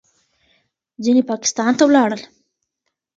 ځینې پاکستان ته ولاړل.